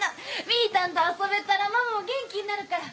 みぃたんと遊べたらママも元気になるから。